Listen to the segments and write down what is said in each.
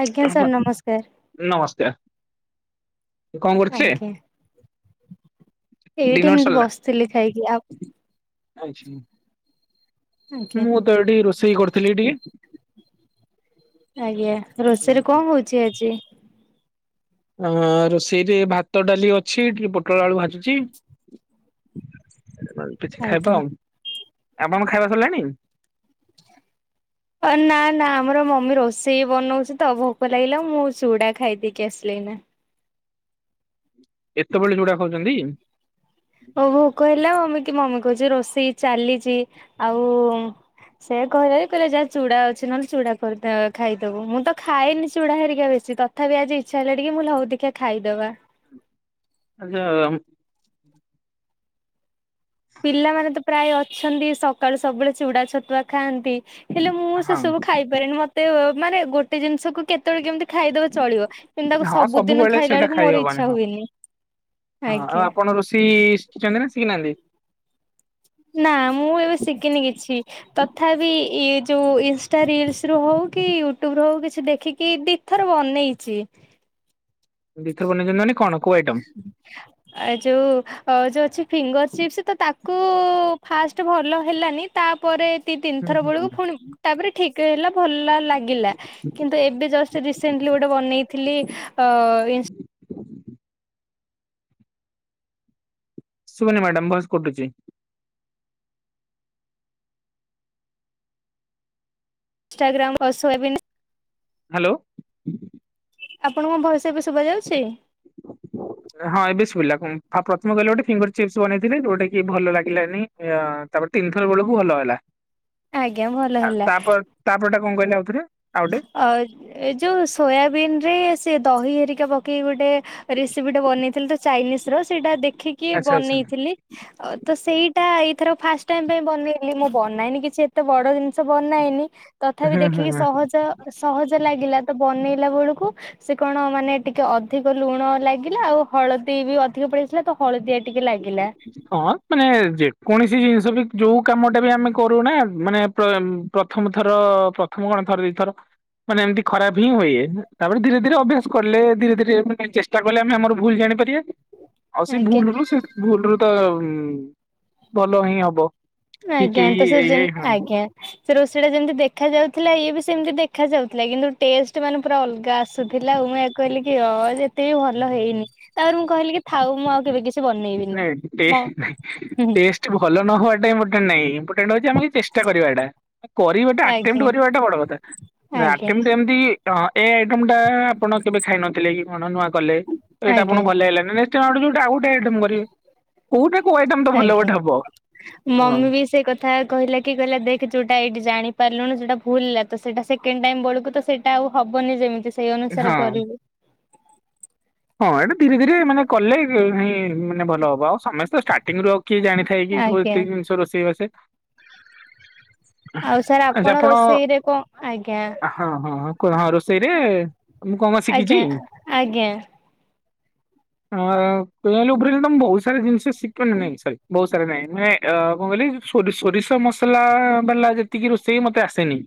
ଆଜ୍ଞା ସାର୍ ନମସ୍କାର। ନମସ୍କାର କଣ କରୁଥିଲେ? ଆଜ୍ଞା ଏଇଠି ଡିନର ଏତି ବସିଥିଲି ଖାଇକି ଆଉ ଖାଙ୍କ କ ଆଜ୍ଞା ମୁଁ ତ, ଏଠି ରୋଷେଇ କରିଥିଲି ଟିକେ ଆଜ୍ଞା ରୋଷେଇରେ କଆଁହଉଛି ଆଜି ଅ ରୋଷେଇରେ ଭାତ ଡାଲି ଅଛି ଟିକେ ପୋଟଳ ଆଳୁ ଭାଜୁଛି କିଛି ଖାଇବା ଆଜ୍ଞା। ଆଉ ଆପଣ ଖାଇବା ସରିଲାଣି? ହ ନା ନା ଆମର ମମି ରୋଷେଇ ବନଉଛି ତ ଭୋକ ଲାଗିଲା ମୁଁ ଚୁଡା ଖାଇ ଦେଇେଇକି ଆସିଲି ନା ଏତେବେଳେ ଯୁଡ଼ା ଖାଉଛନ୍ତି? ' ଓ ଭୋକ ହେଲା ଆଉ ଏମତି ମମି କହୁଛି ରୋଷେଇ ଚାଲିଛି ଆଉ ସେ କହିଲାକି ଯା ଚୁଡ଼ା ଅଛି ନ ତଥାି ଆ ଇ୍ଛା ହେଲାଣି କି ମୁଁ ଲ ହ ଦେଖା ଖାଇଦବା। ଆଚ୍ଛା ର୍ଟ ପିଲାମାନେ ତ ପ୍ରାୟ ଅଛନ୍ତି ସକାଳୁ ସବୁବେଳେ ଚୁଡା ଛତୁଆ ଖାଆନ୍ତି ହେଲେ ମୁଁ ସେ ହଁ ସବୁ ଖା ଖାଇପାରେନି ମତେ ମାନେ ଗୋଟେ ଜିନିଷକୁ କେତେବେଳେ କେମିତି ଖାଇଦବ ଚଳିବ। କିନ୍ତୁ ତାକୁ ହଁ ସବୁଦିନ ସବୁବେଳେ ଖାଇଲା ସେଇଟା ବେଳକୁ ଖାଇ ମୋର ହବନି ଇଚ୍ଛା ହଁ ହୁଏନି। ହଁ ଆଉ ଆଜ୍ଞା। ଆପଣ ରୋଷେଇ ଶିଖଛନ୍ତି ନା ଶିଖିନାହାନ୍ତି? ନା ମୁଁ ଏବେ ଶିଖିନି କିଛି। ତଥାପି ଇ ଯୋଉ ଇନସା ରିଲସ ରୁ ହଉ କି ୟୁଟ୍ୟୁବ ରୁ ହଉ କିଛି ଦେଖିକି ଥଭେ ବନେଇଛି। ଦିଥର ବନେଇଚନ୍ତି ମାନେ କଣ କୋଡ଼ ଆଇଟମ। ଏ ଯୋଉ ଯୋଉ ଅଛି ଫିଙ୍ଗର ଚିପ୍ସ ତ ତାକୁ ଫାଷ୍ଟ ଭଲ ହେଲାନି। ତାପରେ ଦି ତିନିଥର ବେଳକୁ ପୁଣିି ତାପରେ ଠିକ ହେଲା ଭଲ ଲାଗ ଗିଲା କିନ୍ତୁ ଏବେ ଜଷ୍ଟରି ସେଣ୍ଟିଲି ଗୋଟେ ବେଇଥିଲି ଶୁ ଭାନା ମ୍ୟାଡାାମ ବସ କଟୁଛି। ଇଷ୍ଟାଗ୍ରାମ ଓ ସୋୟାବିନ୍‌। ହ୍ୟାଲୋ। ଆପଣଙ୍କ ଭଇସ ଏବେ ଶୁଦ୍ଭା ଯାଉଛି? ହ [unintelligible] ହଁ ଏବେ ଶୁଭିଲା, କ ପ୍ରଥମ କହିଲେ ଗୋଟେ ଫିଙ୍ଗର ଚିପ୍ସ ବନେଇଥିଲି ଯୋଉଟା କି ଭଲ ଲାଗିଲାନି। ତାପରେ ତିନି ଥର ବେଳକୁ ଭଲ ହେଲା। ଆଜ୍ଞା ଭଲ ହେଲା। ତାପରେଟା କଣ କହିଲେ ଆଉଥରେ ଆଉ ଗଟେ ଆଉ ଏ ଯୋଉ ସୋୟାବିିନ ରେ ସେ ଦହି ହେରିକା ପକେଇ ଗୋଟେ ରେସିପି ଟା ବନେଇଥିଲି ତ ଚାଇନିସ ର ସେଇଟା ଦେଖିକି ଆଚ୍ଛା ଆଚ୍ଛା ବନେଇଥିଲି। ତ ସେଇଟା ଏଇଥର ଫାଷ୍ଟ ଟାଇ ପାଇଁ ବନେଇଲି ମୁଁ ବନେଇନି କିଛି ଏତେ ବଡ ଜି ବନାଏନି ତଥାପି ହୁଁ ହୁଁ ଦେଖିକି ହୁଁ। ସହଜ ସହଜ ଲାଗିଲା ତ ବନେଇଲା ବେଳକୁ ସେ କଣ ମାନେ ଟିକେ ଅଧିକ ଲୁଣ ଲାଗିଲା ଆଉ ହଳଦୀ ବି ଅଧିକ ପଳେଇଥିଲା ତ ହଳଦିଆ ଟିକେ ଲାଗିଲା। ହଁ ମାନେ ଯେକୌଣସି ଜିନିଷ ବି ଯୋଉ କାମ ଟା ବି ଆମେ କରୁନା ମାନେ ପ୍ରଥମ ଥର ପ୍ରଥମ କଣ ଥରେ ଦିଥର। ମାନେ ଏମିତି ଖରାପ ହିଁ ହୁଏ ତାପରେ ଧୀରେ ଧୀରେ ଅଭ୍ୟାସ କଲେ କଲେ ଧୀରେ ଧୀରେ ମାନେ ଚେଷ୍ଟା ତା କଲେ ଆମେ ଆମର ଭୁଲ ଜାଣିପାରିବା। ଆଉ ସେ ଆଜ୍ଞା। ଭୁଲରୁୁ ସେ ଭୁଲରୁୁ ତ ଭଲ ହିଁ ହବ। ଠିକ ଆଜ୍ଞା ଏଇ ତ ସେ ଜେମ୍ ଏଇ ଆଜ୍ଞା। ସେ ରୋଷେଇ ଟା ଯେମିତି ଦେଖା ଯାଉଥିଲା ଇଏ ବି ସେମିତି ଦେଖା ଯାଉଥିଲା କିନ୍ତୁ ଟେଷ୍ଟ ମାନେ ପୁରା ଅଲଗା। ଆସୁଥିଲା ଆଉ ମୁଁ ଆକୁ କହିଲିକି ଅ ଯେତେ ବି ଭଲ ହଁ ହେଇନି ତାପରେ ମୁଁ କହିଲି କି ଥାଉ ମୁଁ ଆଉ କେବେ କିଛି ବନେଇବିନି। ନାଇ ଟେ ମ ହୁଁ ଟେଷ୍ଟ ଟି ଭଲ ନ ହବାଟା ମୋଟେ ନାଇଁ ସେଇଟା ହଉଚି ଆମକୁ ଚେଷ୍ଟା କରିବାଟା କରିବାଟା ଆଜ୍ଞା ଆଟେମ୍ଟ କରିବାଟା ବଡ କଥା। ନାଁ ଆଜ୍ଞା ଆଟେମ୍ଟ ଏମିତି ହଁ ଏ ଆଇଟମ୍ଟା ଆପଣ କେବେ ଖାଇନଥିଲେ କି କଣ ନୂଆ କଲେ ଏଇଟା ଆଜ୍ଞା ଆପଣଙ୍କୁ ଭଲ ଲାଗିଲାନି ନେ ତ ଆଉ ଗୋଟେ ଯୋଉଟା ଆଉ ଗୋଟେ ଆଇଟମ କରିବେ କୋଉଟା କୋଉ ଆଇଟମ ତ ଭଲ ଆଜ୍ଞା। ଗୋଟେ ହବ ହଁ। ମମି ବି ସେ କଥା କହିଲା କି କହିଲା ଦେଖ ଯୋଉଟା ଏଇଠି ଜାଣି ପାରିଲୁନି ସେଇଟା ଭୁଲ ହେଲା ତ ସେଇଟା ସେକେଣ୍ଡ ଟାଇମ ବେଳକୁ ତ ସେ ଟା ଆଉ ହବନି ଯେମିତି ସେଇ ଅନୁସାରେ ହଁ। କରିବୁ। ହଁ ଏଟା ଧୀରେ ଧୀରେ ମାନେ କଲେ ହିଁ ମାନେ ଭଲ ହବ ଆଉ ସମେସ୍ତେ ଷ୍ଟାର୍ଟିଂରୁ ଆଉ କିଏ ଜାଣି ହେଇକି ସବୁ ଆଜ୍ଞା। ଏତିକି ଜିନିଷ ରୋଷେଇ ବାସେ ଆଉ ସାର୍ ଆପଣ ରୋଷେଇରେ କଣ ଆଜ୍ଞା ହଁ ହଁ ହଁ କୁହ ହଁ ରୋଷେଇ ରେ ମୁଁ କଣ କଣ ଶିଖିଛି? ଆଜ୍ଞା ଆଜ୍ଞା। ହଁ ମାଡାମ ପ୍ଲେନ ଉପରେ ମାଡାମ ବହୁତ ସାରା ଜିନିଷ ଶିଖି ନାଇଁ ସରି ବହୁତ ସାର ନାଇଁ। ଆ କଣ କହିଲେ ସୋରିଷ ମସଲା ବାଲା ଯେତିକି ରୋଷେଇ ମତେ ଆସେନି।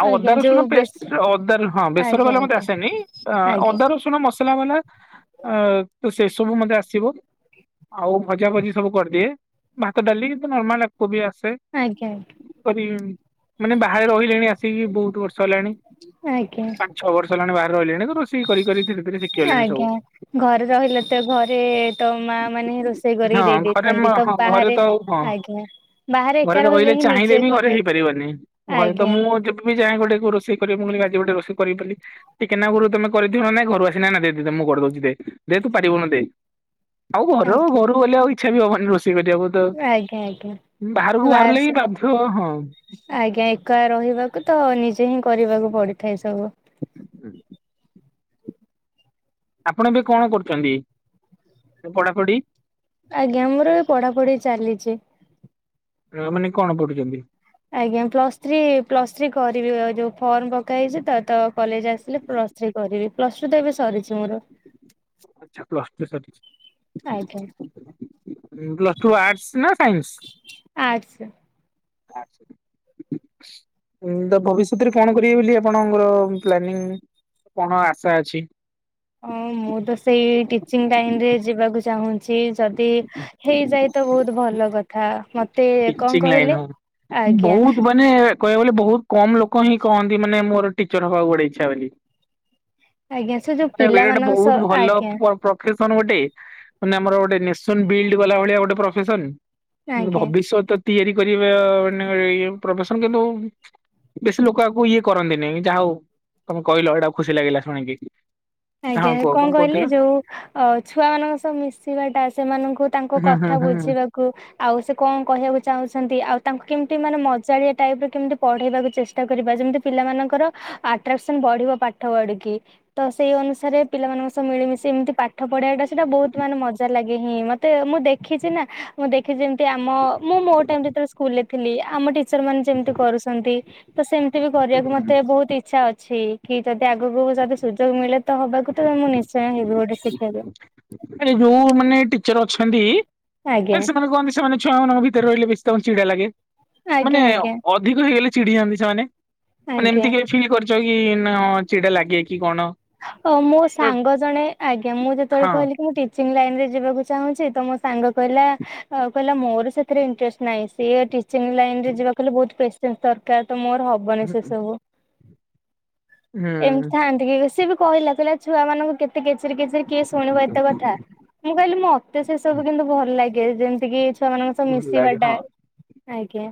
ଆଉ ଅଦା ଆଜ୍ଞା ରସୁଣ ଯୋଉ ପେଷ୍ଟ ବେଶ ଅଦା ନୁହଁ ହଁ ବେସର ଆଜ୍ଞା ବାଲା ମତେ ଆସେନି ଆଜ୍ଞା ଆଜ୍ଞା ଅଦା ରସୁ ନାଁ ମସଲା ବାଲା ଆ ତ ସେ ସବୁ ମତେ ଆସିବ। ଆଉ ଭଜା ଭଜି ସବୁ କରିଦିଏ ଭାତ, ଡାଲି କିନ୍ତୁ ନର୍ମାଲ କୋବି ଆସେ। ଆଜ୍ଞା ଆଜ୍ଞା। କରିବି ମାନେ ବାହାରେ ରହିଲେଣି ଆସିକି ବହୁତ ବର୍ଷ ହେଲାଣି। ଆଜ୍ଞା। ପାଞ୍ଚ ଛଅ ବର୍ଷ ହେଲାଣି ବା ରିହିଲିଣି ରୋଷଇ କରିି କରି ଧିରେ ଧିରେ ଶିଖି ଆଜ୍ଞା ଘରେ ରହିଲେ ତ ଘରେ ତ ମା ମାନେ ରୋଷେଇ ହଁ କରିକି ଦେଇଦିଏ। ଘରେ ମା ହଁ ଘରେ ତ ଆଉ ହଁ। ବାହାରେ ଘରେ ଏକା ରହିଲେ ହିଁ ଚାହିଁଲେ ନିଜେ ବି ଘରେ କରିବାକୁ ହେଇପାରିବନି ଘରେ ତ ଆଜ୍ଞା ମୁଁ ଅଜ ବି ଯାଏ ଗୋଟେ ରୋଷେଇ କରିବାକୁ ମୁଁ କହିଲି ଆଜି ଗୋଟେ ରୋଷଇ କରିବି ବୋଲି ଟିକେ ନାକୁରୁ ତୁମେ କରିଥିବ ନାଇଁ ଘରୁ ଆସ ନାନା ଦେ ଦେ ଦେ ମୁଁ କରିଦଉଛି ଦେ ଦେ ତୁ ପାରିବୁନୁ ଦେ ଆଉ ଘରୁ ଆଜ୍ଞା। ଘରୁ ଗଲେ ଆଉ ଇଚ୍ଛା ବି ହବନି ରୋଷେଇ କରିବାକୁ ଆଜ୍ଞା ଆଜ୍ଞା ତ ବାହାରକୁ ବାହାର ବାହାରିଲେ ହିଁ ବାଧ୍ୟ ହଁ। ଆଜ୍ଞା ଏକା ରହିବାକୁ ତ ନିଜେ ହିଁ କରିବାକୁ ପଡିଥାଏ ସବୁ। ହୁଁ। ଆପଣ ଏବେ କଣ କରୁଛନ୍ତି ଏ ପଢାପଢି? ଆଜ୍ଞା ମୋର ଏବେ ପଢାପଢି ଚାଲିଛି। ପିଲାମାନେ କଣ ପଢୁଛନ୍ତି? ଆଜ୍ଞା ପ୍ଲସ୍ ଥ୍ରୀ ପ୍ଲସ୍ ଥ୍ରୀ କରିବି ଆଉ ଯୋଉ ଫର୍ମ ପକାହେଇଛି ତ ତ କଲେଜ ଆସିଥିଲି ପ୍ଲସ୍ ଥ୍ରୀ କରିବି। ପ୍ଲସ ଟୁ ତ ଏବେ ସରିଛି ମୋର। ଆଚ୍ଛା ପ୍ଲାସ ଟୁ ଆଜ୍ଞା ସରିଛି। ପ୍ଲସ ଟୁ ଆର୍ଟସ ନା ସାଇନ୍ସ? Arts ads. ହୁଁ, ତ ଭବିଷ୍ୟତରେ କଣ କରିବେ ବୋଲି, ଆପଣଙ୍କର ପ୍ଲାନିଂ କଣ ଆଶା ଅଛି? ହ, ମୁଁ ତ ସେଇ ଟିଚିଂ ଲାଇନ ରେ ଯିବାକୁ ଚାହୁଁ ଚି, ଯଦି ହେଇଯାଏ ତ ବହୁତ ଭଲ କଥା ମତେ, କଣ କହିଲେ? ଆଜ୍ଞା ହୁଁ, ବହୁତ ଭ ମାନେ, କହିବାକୁ ଗଲେ ବହୁତ କମ୍ ଲୋକ ହିଁ କହନ୍ତି ମାନେ ମୋର ଟିଚର୍ ହବାକୁ ଗୋଟେ ଇଛା ବୋଲି। ଆଜ୍ଞା ସେ ଯୋଉ ମାନେ ବି ଏଡ୍ ପିଲାମାନଙ୍କ ବହୁତ ସହ ଭଲ ଆଜ୍ଞା ପ ପ୍ରଫେସନ୍ ଗୋଟେ, ମାନେ ଆମର ଗୋଟେ ନେସନ୍ ବିଲ୍ଡ୍ ବାଲା ଭଳିଆ ଗୋଟେ ପ୍ରଫେସନ। ଆଜ୍ଞା ଭବିଷ୍ୟତ ତିଆରି କରିବା ମାନେ ଇଏ ପ୍ରଫେସନ, କିନ୍ତୁ ବେଶୀ ଲୋକ ଆକୁ ଇଏ କରନ୍ତିନି, ଯାହା ହଉ, ତମେ କହିଲ ଏଇଟା ଖୁସି ଲାଗିଲା ଶୁଣିକି। ହଁ ଆଜ୍ଞା, କୁହ କଣ କହିଲେ କହୁଥିଲ? ଯୋଉ ଅ ଛୁଆମାନଙ୍କୁ ସହ ମିଶିବା ଟା, ସେମାନଙ୍କୁ ତାଙ୍କ ହୁଁ ହୁଁ କଥା ହୁଁ। ବୁଝିବା କୁ, ଆଉ ସେ କଣ କହିବାକୁ ଚାହୁଁଛନ୍ତି, ଆଉ ତାଙ୍କୁ କେମତି ମାନେ ମଜାଳିଆ ଟାଇପରେ କେମତି ପଢେଇବାକୁ ଚେଷ୍ଟା କରିବା, ଯେମିତି ପିଲାମାନଙ୍କର ଆଟ୍ରାକ୍ସନ ବଢିବ ପାଠ ଆଡିକି ତ ସେଇ ଅନୁସାରେ ପିଲାମାନଙ୍କ ସହ ମିଳିମଶି ଏମିତି ପାଠ ପଢିବାଟା, ସେଟା ବହୁତ ମାନେ ମଜା ଲା ହିଁ ହିଁ, ମତେ ମୁଁ ଦେଖିଛି ନା, ମୁଁ ଦେଖିଛି ଯେମିତି ଆମ ମୁଁ ମୋ ଟାଇମ୍ ଯେତେଏଳେ ସ୍କୁଲ୍ ରେ ଥିଲି, ଆମ ଟିଚର୍ ମାନେ ଯେମିତି କରୁଚନ୍ତି, ତ ସେମତି ବି କରିବାକୁ ମତେ ବହୁତ ଇଛା ଅଛି। କି ଯଦି ଆଗକୁ ଯଦି ସୁଯୋଗ ମିଳେ ତ, ହବାକୁ ତ, ମୁଁ ନିଶ୍ଚୟ ହେବି ଗୋଟେ ଶିକ୍ଷକ। ଆରେ ଯୋଉମାନେ ଟିଚର ଅଛନ୍ତି, ଆଜ୍ଞା ଆ ସେମାନେ କୁହନ୍ତି ସେମାନେ ଛୁଆ ମାନଙ୍କ ଭିତରେ ରହିଲେ ବେଶୀ ତାଙ୍କୁ ଚିଡା ଲାଗେ ଆଜ୍ଞା ମାନେ, ଆଜ୍ଞା ଅଧିକ ହେଇଗଲେ ଚିଡି ଯାଆନ୍ତି ସେମାନେ। ମାନେ, ଆଜ୍ଞା ଏମିତି କିଏ ଫିଲ୍ କରିଚ କି, ନା ଚିଡା ଲାଗେ କି କଣ? ଓ ମୋ ହଁ ସାଙ୍ଗ ଜଣେ, ଆଜ୍ଞା, ମୁଁ ଯେତେବେଳେ କହିଲି କି, ମୁଁ ଟିଚିଂ ଲାଇନ ରେ ଯିବାକୁ ଚାହୁଁଚି ତ ମୋ ସାଙ୍ଗ କହିଲା ଆଉ କହିଲା, ମୋର ସେଥିରେ ଇଣ୍ଟରେଷ୍ଟ ନାହିଁ, ସିଏ ଟିଚିଂ ଲାଇନ ରେ ଯିବା କହିଲେ ବହୁତ ପେସେନ୍ସ ଦରକାର, ତ ମୋର ହବ ହବନି ସେସବୁ। ଏମିତି ହୁଁ। ଥାଆନ୍ତି କି, ସିଏ ବି କହିଲା ଥିଲା ଛୁଆ ମାନଙ୍କୁ କେତେ କେଚେ କେଚେରେ କେଚେରେ କିଏ ଶୁଣିବ ଏତେ କଥା, ମୁଁ କହିଲି ମୋ ମତେ ସେ ସବୁ କିନ୍ତୁ ଭଲ ଲାଗେ, ଯେମିତି କି ଛୁଆମାନଙ୍କ ସବୁ ଭଲ ଲାଗେ ହଁ। ମିଶିବାଟା, ଆଜ୍ଞା।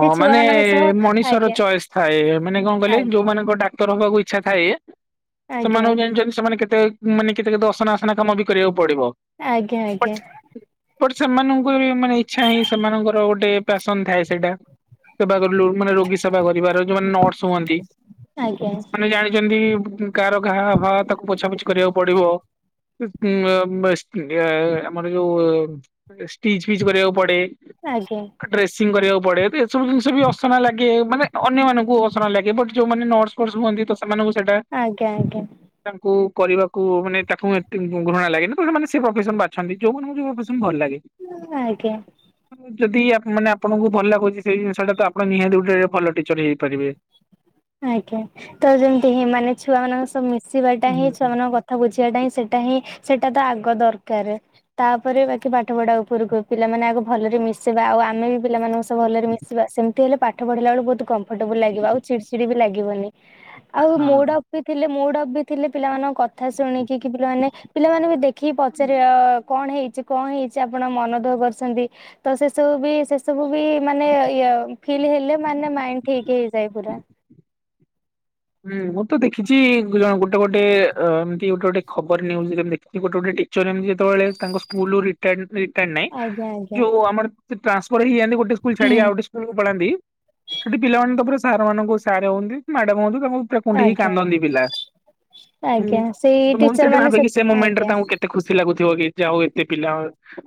ସେ ଛୁଆ ମାନେ ମାନଙ୍କ ସହ ମଣିଷର ଆଜ୍ଞା ଚଏସ୍ ଥାଏ, ମାନେ କଣ କହିଲେ? ଆଜ୍ଞା ଯୋଉମାନଙ୍କ ଡାକ୍ତର ହବାକୁ ଇ ଇଛାଥାଏ, ଆଜ୍ଞା ସେମାନେଙ୍କୁ ଜାଣିଚନ୍ତି ସେମାନେ କେତେ ମାନେ କେତେ କେତେ ଅସନା ଅସନା କାମ ବି କରିବାକୁ ପଡିବ। ଆଜ୍ଞା, ଆଜ୍ଞା। ବଟ ସେମାନଙ୍କୁ ବି ମାନେ ଇଛା ହିଁ ସେମାନଙ୍କର ଗୋଟେ ଫ୍ୟାସନ ଥାଏ ସେଇଟା। ସେବା କରିଲୁ, ମାନେ ରୋଗୀ ସେବା କରିବାର ଯଉମାନେ ନର୍ସ ହୁଅନ୍ତି? ଆଜ୍ଞା ସେମାନେ ଜାଣିଚନ୍ତି, କାହାର ଘାହା ଫା, ତାକୁ ପୋଛାପୋଛି କରିବାକୁ ପଡିବ। [unintelligible] ଆମର ଯୋଉ ଷ୍ଟିଚ ଫିଚ୍ କରିବାକୁ ପଡେ। ଆଜ୍ଞା। ଡ୍ରେସିଂ କରିବାକୁ ପଡେ। ଏସବୁ ଜିନିଷ ବି ଅସନା ଲାଗେ, ମାନେ ଅନ୍ୟମାନଙ୍କୁ ଅସନା ଲାଗେ, ବଟ୍ ଯୋଉମାନେ ନର୍ସ ଫର୍ସ ହୁଅନ୍ତି ତ ସେମାନଙ୍କୁ ସେଇଟା ଆଜ୍ଞା, ଆଜ୍ଞା। ତାଙ୍କୁ କରିବାକୁ ମାନେ ତାକୁ ଏ ଘୃ--ଘୃଣା ଲାଗେନି, ତ ସେମାନେ ସେ ପ୍ରଫେସନ ବାଛନ୍ତି। ଯଉଁବନ [unintelligible] ପେସେଣ୍ଟ ଭଲ ଲାଗେ। [unintelligible] ଆଜ୍ଞା। ଯଦି ଆପ ମାନେ ଆପଣଙ୍କୁ ଭଲ ଲାଗୁଚି ସେଇ ଜିନିଷ ଟା, ତ ଆପଣ ନିହାତି ଗୋଟେ ଭଲ ଟିଚର ହେଇପାରିବେ। ଆଜ୍ଞା, ତ ଯେମିତି ହିଁ ମାନେ ଛୁଆ ମାନଙ୍କ ସହ ମିଶିବାଟା ହିଁ ହୁଁ। ଛୁଆମାନଙ୍କ କ ଥା କୁୁଝିିବାଟା ହିଁ ସେଇଟା ହିଁ ସେଇଟା ତ ଆଗ ଦରକାରେ। ତାପରେ ବାକି ପାଠ ପଢା ଉପରକୁ ପିଲାମାନେ ଆଗ ଭଲରେ ମିଶିବା ଆଉ ଆମେ ବି ପିଲାମାନଙ୍କ ସହ ଭଲରେ ମିଶିବା ସେମ ତି ହେଲେ ପାଠ ପଢିଲା ବଳ ବହୁତ କମ୍ଫର୍ଟେବୁଲ ଲାଗିବ ଆଉ ଚିଡି ଚିଡି ବି ଲାଗିବନି ଆଉ ହଁ। ମୋଡ ଅ ଥିଲେ ମୁଡ ଅଫ୍ ବି ଥିଲେ ପିଲାମାନଙ୍କ କଥା ଶୁଣିକି କି ପିଲାମାନେ ପିଲାମାନେ ବି ଦେଖିକି ପଚାରିବେ ଆ କଣ ହେଇଚି କଣ ହେଇଚ ଆପଣ ମନଦୁଃଖ କରୁଛନ୍ତି ତ ସେସବୁ ବି ସେ ସବୁ ବି ମାନେ ଇଏ ଫିଲ୍ ହେଲେ ମାନେ ମାଇ ଠିକ୍ ହେଇଯାଏ ପୁରା। ହୁଁ ମୁଁ ତ ଦେଖିଛି ଜଣ ଗୋଟେ ଗୋଟେ ଏମିତି ଗୋଟେ ଗୋଟେ ଖବର ନ୍ୟୁଜୁ ଦେଖିଛି ଗୋଟେ ଗୋଟେ ତି ଯେତେବେଳେ ତାଙ୍କ ସ୍କୁଲୁ। ଆଜ୍ଞା ଆଜ୍ଞା। ଉ ଆମ ଟ୍ରାନ୍ସର ହେଇଯ ଗୋଟ ସ୍କୁଲ ଛଉ ହୁଁ ଗୋଟେ ସ୍ଲ ପଳାନ୍ତି ସେଠି ପିଲାମାନେ ତାପରେ ସାର୍ ମାନଙ୍କୁ ସାର୍ ହୁଅନ୍ତି ମ୍ୟାଡାମମ୍ ହୁଅୁ ତାଙ୍କୁ କୁଣ୍ଢାଇ କି ଆଜ୍ଞା କାନ୍ଦନ୍ତି ପିଲା ଆଜ୍ଞା ସେଇ ମୁଁ ଟିଚର ସେଠି ମାନେ ଭାବିକି ସେ ମୁମେଣ୍ଟରେ ଆଜ୍ଞା ତାଙ୍କୁ କେ ଏତେ ଖୁସି ଲାଗୁଥିବ କି ଯା ହଉ ଏତେ ପିଲା ହ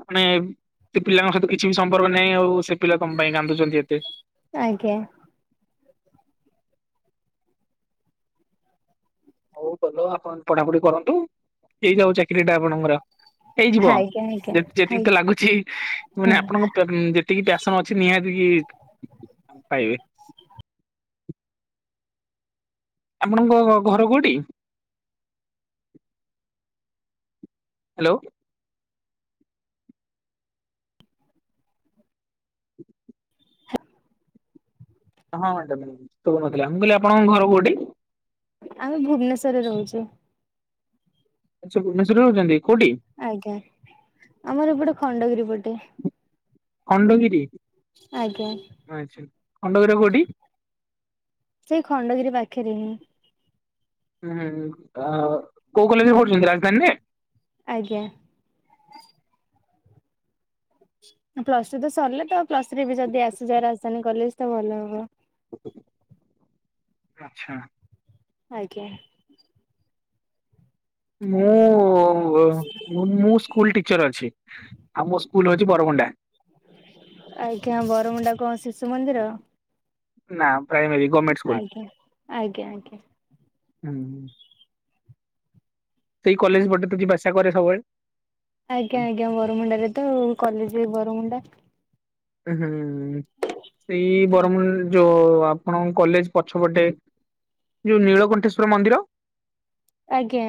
ମାନେ ସେ ପିଲାଙ୍କ ସହିତ କିଛି ବି ସମ୍ପର୍କ ନାହିଁ ଆଉ ସେ ପିଲା ତମ ପାଇଁ କାନ୍ଦୁଛନ୍ତି ଏତେ ଆଜ୍ଞା ହଉ ଭଲ ଆପଣ ପଢାପଢି କରନ୍ତୁ ହେଇ ଯାଉ ଚାକିରି ଟା ଆପଣଙ୍କର। ହେଇଯିବ ଆଜ୍ଞା ଆଜ୍ଞା ଯେ ଯେତିକି ହାଇ ତ ଲାଗୁଛି ମାନେ ହଁ ଆପଣଙ୍କ ଯେ ଏତିକି ପ୍ୟାସନ ଅଛି ନିହାତି କି ପାଇବେ ଆପଣଙ୍କ ଘର କୋଉଠି? ହ୍ୟାଲୋ ହଁ ମ୍ୟାଡାମ ସବୁ ନଥିଲା ମୁଁ କହିଲି ଆପଣଙ୍କ ଘର କୋଉଠି। ଆମେ ଭୁବନେଶ୍ୱରରେ ରହୁଛେ। ଆଛା ଭୁବନେଶ୍ୱର ରେ ରହୁଛନ୍ତି କୋଉଠି। ଆଜ୍ଞା ଆମର ଏପଟେ ଖଣ୍ଡଗିରି ପଟେ ଖଣ୍ଡଗିରି ଆଜ୍ଞା ଆଛା ଖଣ୍ଡଗି କୋଉଠି? ସେଇ ଖଣ୍ଡଗିରି ପାଖରେ ହିଁ ହୁଁ କୋଉ କଲେଜରେ ପଢୁଛନ୍ତି ରାଜଧାନୀରେ ଆଜ୍ଞା ପ୍ଲସ ଟୁ ତ ସରିଲେ ତ ପ୍ଲସ ଥ୍ରୀ ବି ଯଦି ଆସିଯାଏ। ରାଜଧାନୀ କଲେଜ ତ ଭଲ ହବ। ଆଛା ଆଜ୍ଞା ମୁଁ ମୁଁ ସ୍କୁଲ ଟିଚର ଅଛି ଆଉ ମୋ ସ୍କୁଲ ହଉଛି ବରଗୁଣ୍ଡା। ଆଜ୍ଞା ବରମୁଣ୍ଡା କଣ ଶିଶୁ ମନ୍ଦିର ନା ପ୍ରାଇମାର ଗୋମେଣ୍ଟ। ଆଜ୍ଞା ଆଜ୍ଞା ଆଜ୍ଞା ହୁଁ ହୁଁ ସେଇ କଲେଜ ପଟେ ଯିବ ଆସିବା କରେ ସବୁବେଳେ। ଆଜ୍ଞା ଆଜ୍ଞା ବରମୁଣ୍ଡାରେ ତ କଲେଜ ବରମୁଣ୍ଡା। ହୁଁ ସେଇ ବରମ ଯୋ ଆପଣ କଲେଜ ପଛପଟେ ଯୋଉ ନୀଳକଣ୍ଠେଶ୍ଵର ମନ୍ଦିର। ଆଜ୍ଞା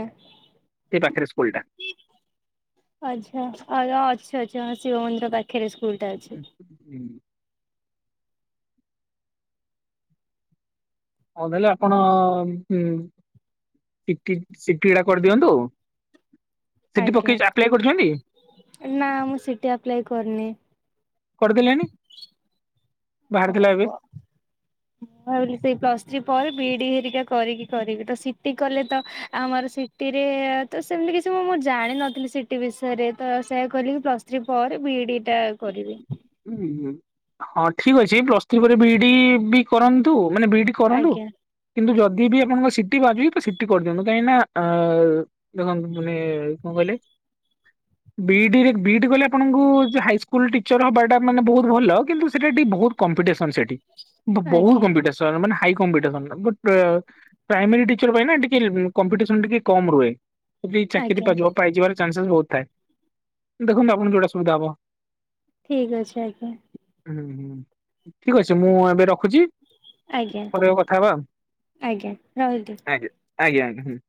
ସେଇ ପାଖରେ ସ୍କୁଲ ଟା। ଆଚ୍ଛା ଆଉ ଅଛି ଅଛି ହଁ ଶିବ ମନ୍ଦିର ପାଖରେ ସ୍କୁଲଟା ଅଛି। ହୁଁ ହଁ ତାହଲେ ଆପଣ ସିଟିି ଗଡା କରିଦିଅନ୍ତୁ। ସେଠି ପକେଇ ଆପ୍ଲାଏ କରିଛନ୍ତି ଆଜ୍ଞା ନା ମୁଁ ସିଟି ଆପ୍ଲାଏ କରିନି। କରିଦେଲେନି ବାହାରିଥିଲା ଏବେ। ହଉ ଭାବିଲି ସେଇ ପ୍ଲସ ଥ୍ରୀ ପରେ ବିଇଡି ହେରିକା କରିକି କରିବି ତ ସିଟି କଲେ ତ ଆମର ସେ ଟି ରେ ତ ସେମିତି କିଛି ମୁଁ ମୁଁ ଜାଣିନଥିଲି ସିଟି ବିଷୟରେ ତ ସେୟ କହିଲି କି ପ୍ଲସ ଥୀ ପରେ ବିଇଡି ଟା କରିବି। ଉଁ ହଁ ଠିକ୍ ଅଛି ପ୍ଲସ୍ ଥ୍ରୀ ପରେ ବିଡି ବି କରନ୍ତୁ ମାନେ ବିଡି କରନ୍ତୁ ଆଜ୍ଞା କିନ୍ତୁ ଯଦି ବି ଆପଣଙ୍କ ସିଟି ବାଜିବିି ତ ସିଟି କରିଦିନ୍ତୁ କାହିଁକି ନା ଆ ଦେଖନ୍ତୁ ମାନେ କଣ କହିଲେ ବି ଡି ରେ ବିଇଡି କଲେ ଆପଣଙ୍କୁ ହାଇସ୍କୁଲ ଟିଚର ହବା ତା ମାନେ ବୋହୁତ ଭଲ କିନ୍ତୁ ସେଟା ଟି ବହୁତ କମ୍ପିସନ ସେଠି ବହୁତ ଆଜ୍ଞା କମ୍ପି ଟେ ସ୍ ତା ମାନେ ହାଇ କମ୍ପିସନ [unintelligible] ପ୍ରାଇମେରୀ ଟିଚର୍ ପାଇଁ ନା ଟିକେ କମ୍ପିଟିସନ ଟିକେ କମ୍ ରୁହେ। ଯଦି ଚାକିରି ଆଜ୍ଞା କରିବ ପାଇଯିବାର ଚାନ୍ସେସ୍ ବହୁତ ଥାଏ ଦେଖନ୍ତୁ ଆପଣଙ୍କୁ ଯୋଉଟା ସୁବିଧା ହବ। ଠିକ୍ ଅଛି ଆଜ୍ଞା। ହୁଁ ହୁଁ ଠିକ୍ ଅଛି ମୁଁ ଏବେ ରଖୁଛି? ଆଜ୍ଞା ପରେ କେବେ କଥା ହେବା ଆଜ୍ଞା ରହିଲି। ଆ ଆଜ୍ଞା ଆଜ୍ଞା ଆଜ୍ଞା।